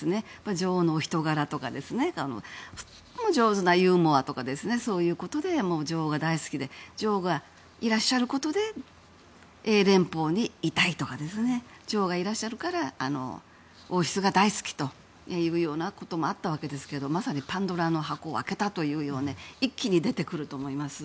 女王のお人柄とかとても上手なユーモアとかそういうことで女王が大好きで女王がいらっしゃることで英連邦にいたいとか女王がいらっしゃるから王室が大好きだということもあったんですがまさにパンドラの箱を開けたというように一気に出てくると思います。